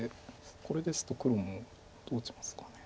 これですと黒もどう打ちますかね。